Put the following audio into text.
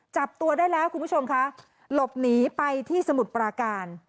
จับตัวได้แล้วคุณผู้ชมค่ะหลบหนีไปที่สมุทรปราการ